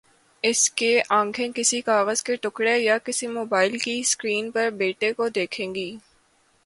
اس کے آنکھیں کسی کاغذ کے ٹکڑے یا کسی موبائل کی سکرین پر بیٹے کو دیکھیں گی۔